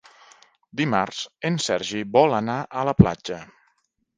Dimarts en Sergi vol anar a la platja.